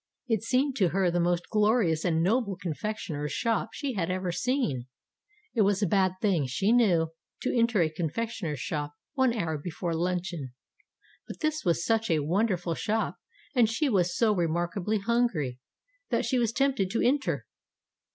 It seemed to her the most glorious and noble confectioner's shop she had ever seen. It was a bad thing, she knew, to enter a confectioner's shop one hour before luncheon. But this was such a wonderful shop, and she was so remarkably hungry, that she was tempted to enter.